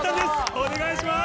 お願いします。